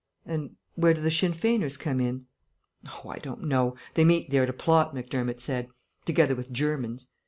"And where do the Sinn Feiners come in?" "Oh, I don't know. They meet there to plot, Macdermott said. Together with Germans.